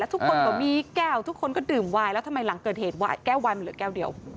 ทุกคนก็มีแก้วทุกคนก็ดื่มวายแล้วทำไมหลังเกิดเหตุแก้ววายมันเหลือแก้วเดียว